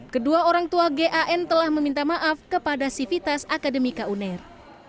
kedua orang tua gan telah meminta maaf kepada sivitas akademika uner